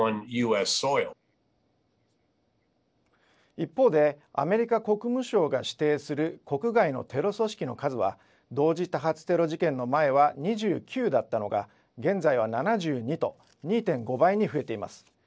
一方でアメリカ国務省が指定する国外のテロ組織の数は同時多発テロ事件の前は２９だったのが現在は７２と２．５倍に増えています。